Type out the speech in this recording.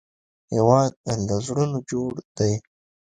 هېواد له زړونو جوړ دی